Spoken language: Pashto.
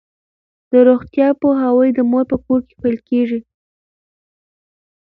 د روغتیا پوهاوی د مور په کور کې پیل کیږي.